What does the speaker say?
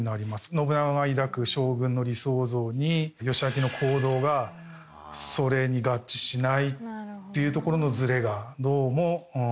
信長が抱く将軍の理想像に義昭の行動がそれに合致しないっていうところのズレがどうもあって。